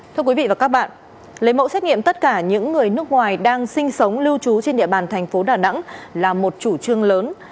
thưa quý vị và các bạn lấy mẫu xét nghiệm tất cả những người nước ngoài đang sinh sống lưu trú trên địa bàn thành phố đà nẵng là một chủ trương lớn